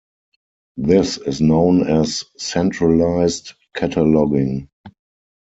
This is known as centralized cataloging.